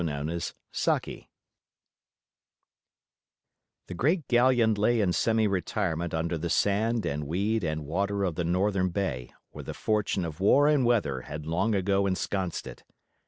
THE TREASURE SHIP The great galleon lay in semi retirement under the sand and weed and water of the northern bay where the fortune of war and weather had long ago ensconced it.